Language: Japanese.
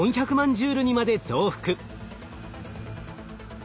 ジュールにまで増幅。